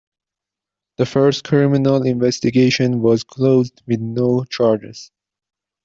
The first criminal investigation was closed with no charges.